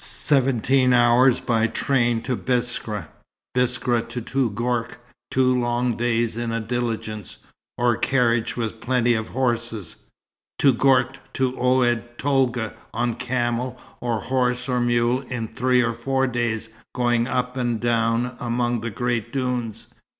Seventeen hours by train to Biskra: Biskra to Touggourt two long days in a diligence, or carriage with plenty of horses; Touggourt to Oued Tolga on camel or horse, or mule, in three or four days going up and down among the great dunes.